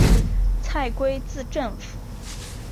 蔡圭字正甫。